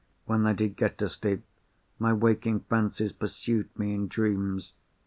When I did get to sleep, my waking fancies pursued me in dreams.